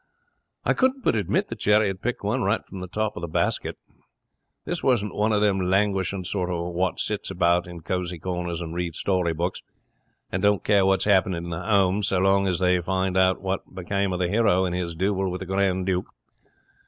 'I couldn't but admit that Jerry had picked one right from the top of the basket. This wasn't one of them languishing sort wot sits about in cosy corners and reads story books, and don't care what's happening in the home so long as they find out what became of the hero in his duel with the Grand Duke.